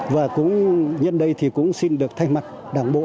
và nhân đây cũng xin được thay mặt đảng bộ